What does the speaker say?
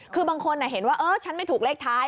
คือบางคนเห็นว่าฉันไม่ถูกเลขท้าย